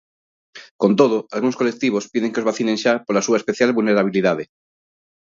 Con todo, algúns colectivos piden que os vacinen xa pola súa especial vulnerabilidade.